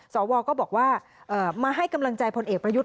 สวก็บอกว่ามาให้กำลังใจพลเอกประยุทธ์